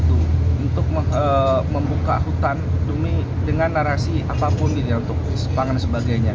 untuk membuka hutan dengan narasi apapun untuk pangan dan sebagainya